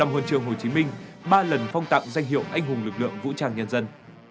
năm huân trường hồ chí minh ba lần phong tặng danh hiệu anh hùng lực lượng vũ trang nhân dân